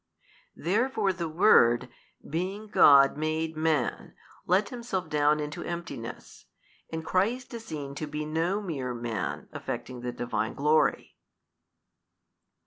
Therefore the Word, being God, made Man let Himself down into emptiness; and Christ is seen to be no mere man, affecting the Divine Glory.